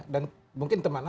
dan mungkin teman teman